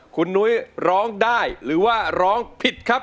คุณนุ้ยร้องได้หรือว่าร้องผิดครับ